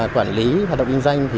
quản lý hoạt động kinh doanh